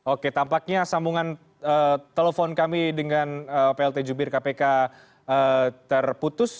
oke tampaknya sambungan telepon kami dengan plt jubir kpk terputus